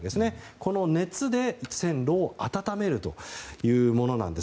この熱で線路を暖めるというものなんです。